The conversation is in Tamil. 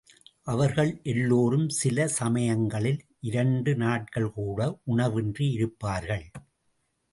அவர்கள் எல்லோரும் சில சமயங்களில், இரண்டு நாட்கள் கூட உணவின்றி இருப்பார்கள்.